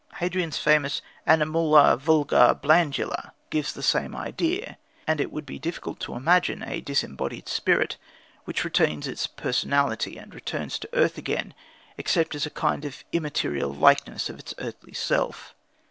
Hadrian's famous "animula vagula blandula" gives the same idea, and it would be difficult to imagine a disembodied spirit which retains its personality and returns to earth again except as a kind of immaterial likeness of its earthly self.